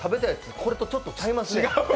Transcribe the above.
これとちょっとちゃいますね。